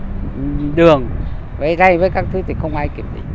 nhưng mà cái đường đường cái đây với các thứ thì không ai kiểm định